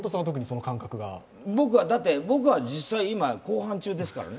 僕はだって、実際今、公判中ですからね。